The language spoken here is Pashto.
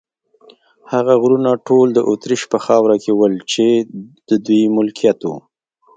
هغه غرونه ټول د اتریش په خاوره کې ول، چې د دوی ملکیت و.